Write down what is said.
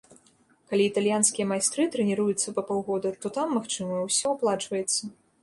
Калі італьянскія майстры трэніруюцца па паўгода, то там, магчыма, ўсё аплачваецца.